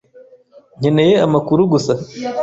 Nkeneye amakuru gusa.